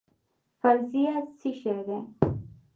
فرضیه څه شی دی؟